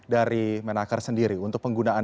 dari menakar sendiri untuk penggunaan